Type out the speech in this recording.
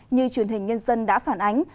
như truyền hình nhân dân đã phản ánh